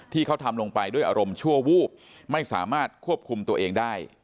ที่เขาทำลงไปด้วยอารมณ์ชั่ววูบไม่สามารถควบคุมตัวเองได้